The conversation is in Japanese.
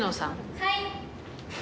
はい。